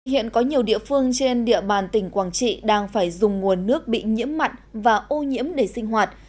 hiện có nhiều địa phương trên địa bàn tỉnh quảng trị đang phải dùng nguồn nước bị nhiễm mặn và ô nhiễm để sinh hoạt